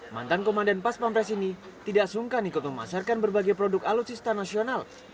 mantan komandan pas pampres ini tidak sungkan ikut memasarkan berbagai produk alutsista nasional